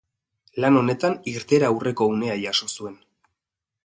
Lan honetan irteera aurreko unea jaso zuen.